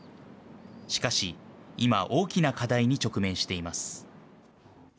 しかし今、大きな課題に直面しています。